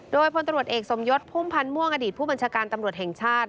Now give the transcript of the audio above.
โดยพลตรวจเอกสมยศพุ่มพันธ์ม่วงอดีตผู้บัญชาการตำรวจแห่งชาติ